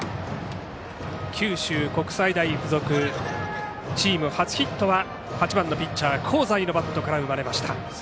九州国際大付属チーム初ヒットは８番のピッチャー香西のバットから生まれました。